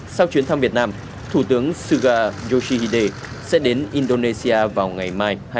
sau chuyến thăm việt nam thủ tướng suga yoshihide sẽ đến indonesia vào ngày mai hai mươi tháng một mươi